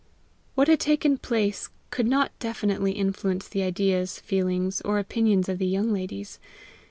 What had taken place could not definitely influence the ideas, feelings, or opinions of the young ladies.